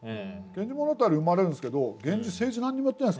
「源氏物語」生まれるんですけど源氏政治何にもやってないですからね。